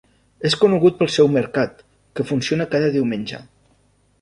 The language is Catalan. És conegut pel seu mercat, que funciona cada diumenge.